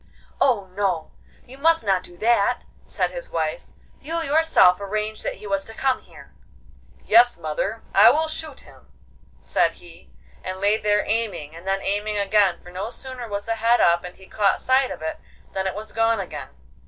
'Oh no, you must not do that,' said his wife; 'you yourself arranged that he was to come here.' 'Yes, mother, I will shoot him,' said he, and lay there aiming, and then aiming again, for no sooner was the head up and he caught sight of it than it was gone again.